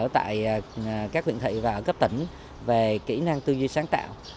về các huyện thị và ở cấp tỉnh về kỹ năng tư duy sáng tạo